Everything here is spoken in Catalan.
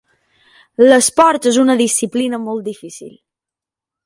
L'esport és una disciplina molt difícil.